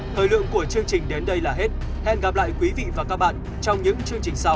thời lượng của chương trình đến đây là hết hẹn gặp lại quý vị và các bạn trong những chương trình sau